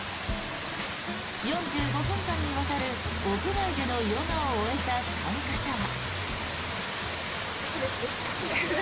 ４５分間にわたる屋外でのヨガを終えた参加者は。